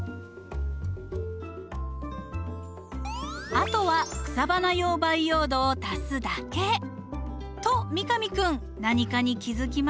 あとは草花用培養土を足すだけ！と三上君何かに気付きましたよ。